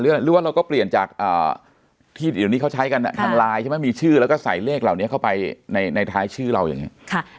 หรือว่าเราก็เปลี่ยนจากที่เดี๋ยวนี้เขาใช้กันทางไลน์ใช่ไหมมีชื่อแล้วก็ใส่เลขเหล่านี้เข้าไปในท้ายชื่อเราอย่างนี้